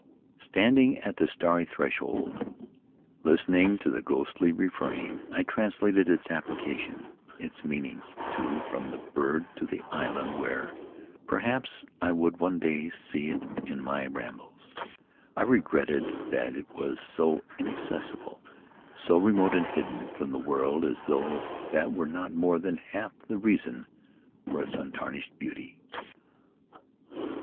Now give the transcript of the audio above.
Standing at the starry threshold, listening to the Faery Lands of the South Seas ghostly refrain, I translated its application — its mean ing, too — from the bird to the island where, perhaps, I would one day see it in my rambles. I regretted that it was so inaccessible, so remote and hidden from the world, as though that were not more than half the reason for its untarnished beauty.